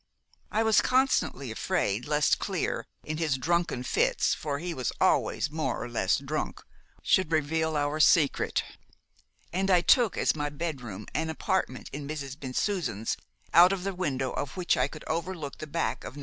"I was constantly afraid lest Clear, in his drunken fits for he was always more or less drunk should reveal our secret, and I took as my bedroom an apartment in Mrs. Bensusan's out of the window of which I could overlook the back of No.